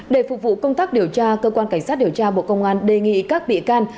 để phục vụ công tác điều tra cơ quan cảnh sát điều tra bộ công an đề nghị các bị can